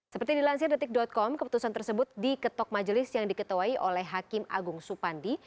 seperti dilansir detik com keputusan tersebut diketok majelis yang diketuai oleh hakim agung supandi